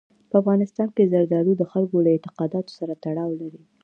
په افغانستان کې زردالو د خلکو له اعتقاداتو سره تړاو لري.